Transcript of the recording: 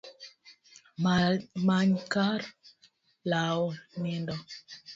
Many kar lawo nindo